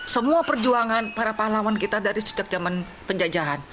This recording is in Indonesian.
semua perjuangan para pahlawan kita dari sejak zaman penjajahan